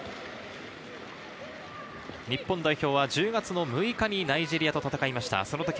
日本代表は１０月６日にナイジェリアと戦いました。